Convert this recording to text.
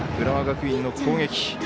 浦和学院の攻撃。